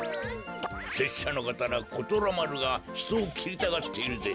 せっしゃのかたなことらまるがひとをきりたがっているぜ。